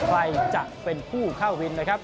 ใครจะเป็นผู้เข้าวินนะครับ